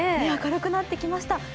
明るくなってきました。